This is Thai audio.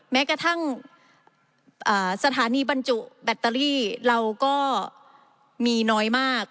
แม้กระทั่งสถานีบรรจุแบตเตอรี่เราก็มีน้อยมาก